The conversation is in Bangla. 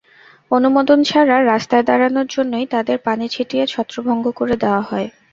অনুমোদন ছাড়া রাস্তায় দাঁড়ানোর জন্যই তাঁদের পানি ছিটিয়ে ছত্রভঙ্গ করে দেওয়া হয়।